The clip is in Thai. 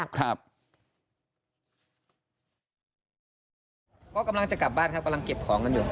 ก็กำลังจะกลับบ้านครับกำลังเก็บของกันอยู่